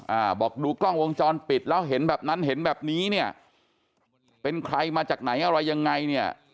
อ่าบอกดูกล้องวงจรปิดแล้วเห็นแบบนั้นเห็นแบบนี้เนี่ยเป็นใครมาจากไหนอะไรยังไงเนี่ย